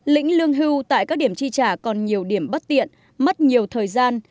lĩnh lương hưu tại các điểm chi trả còn nhiều điểm bất tiện mất nhiều thời gian